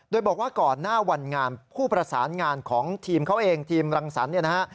โดยบอกว่าก่อนหน้าวันงานผู้ประสานงานของทีมเขาเองทีมรังสรรคเนี่ยนะฮะ